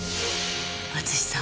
淳史さん